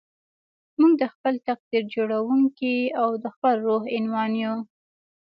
موږ د خپل تقدير جوړوونکي او د خپل روح عنوان يو.